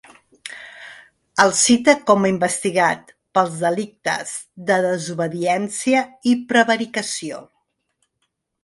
El cita com a investigat pels delictes de desobediència i prevaricació.